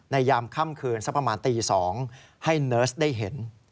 ยามค่ำคืนสักประมาณตี๒ให้เนิร์สได้เห็น